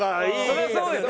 そりゃそうよね。